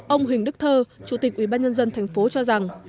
ông huỳnh đức thơ chủ tịch ủy ban nhân dân tp cho rằng